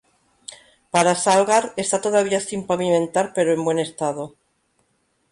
Para Salgar está todavía sin pavimentar pero en buen estado.